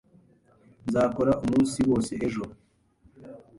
Nzakora umunsi wose ejo.